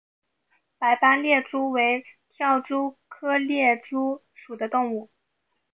白斑猎蛛为跳蛛科猎蛛属的动物。